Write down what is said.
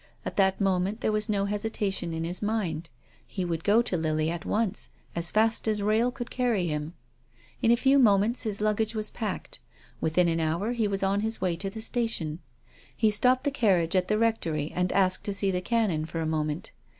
At that moment there was no hesitation in his mind. He would go to Lily at once, as fast as rail could carry him. In a few moments his lug THE LIVING CHILD. 255 gage was packed. Within an hour he was on his way to the station. He stopped the carriage at the Rectory and asked to see the Canon for a moment.